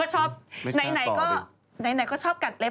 ไหนก็ชอบกัดเล็บ